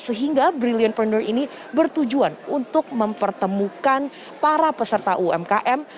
sehingga brilliantpreneur ini bertujuan untuk mempertemukan para peserta umkm